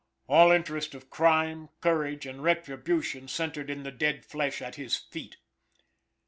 All interest of crime, courage, and retribution centered in the dead flesh at his feet.